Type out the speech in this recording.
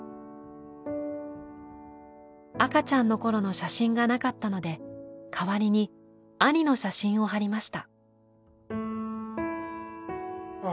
赤ちゃんのころの写真がなかったので代わりに兄の写真を貼りました。